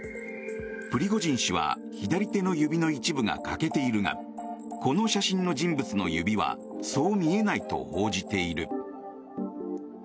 プリゴジン氏は左手の指の一部が欠けているがこの写真の人物の指はそう見えないと報じている。